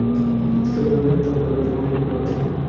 Strawberry, vanilla সব flavour আছে, কোন ফ্লেভার চাই?